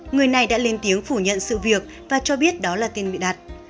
người này đã lên tiếng phủ nhận sự việc và cho biết đó là tiền bị đặt